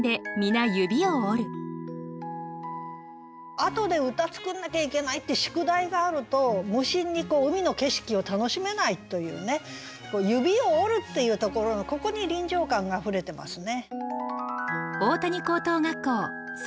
あとで歌作んなきゃいけないって宿題があると無心に海の景色を楽しめないというね「指を折る」っていうところのここに臨場感があふれてますね。